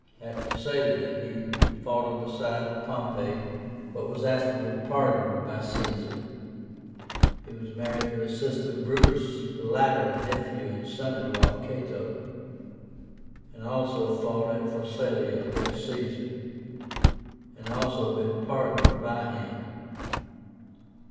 At Pharsalia he fought on the side of Pompey, but was afterwards pardoned by Caesar. He was married to a sister of Brutus. The latter, a nephew and son in law of Cato, had also fought at Pharsalia against Caesar, and also been pardoned by him.